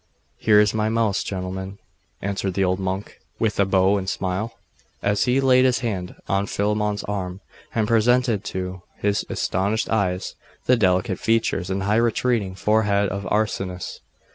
'Here is my mouse, gentlemen,' answered the old monk, with a bow and a smile, as he laid his hand on Philammon's arm, and presented to his astonished eyes the delicate features and high retreating forehead of Arsenius.